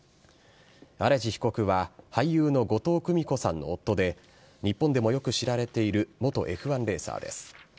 アレジ被告は俳優の後藤久美子さんの夫で、日本でもよく知られている元Ｆ１レーサーです。